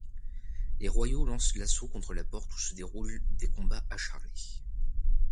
Les Royaux lancent l'assaut contre la porte où se déroule des combats acharnés.